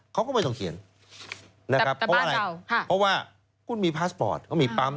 เขาก็ไม่ต้องเขียนนะครับเพราะว่าอะไรเพราะว่าคุณมีพาสปอร์ตเขามีปั๊ม